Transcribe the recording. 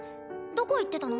どこ行ってたの？